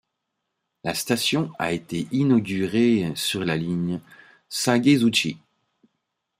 La station a été inaugurée le sur la ligne Sakaisuji.